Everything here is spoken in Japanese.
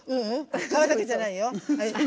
皮だけじゃないよ。